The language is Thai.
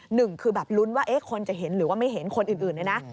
หนึ่งคือแบบลุ้นว่าคนจะเห็นหรือว่าไม่เห็นคนอื่นเนี่ยนะ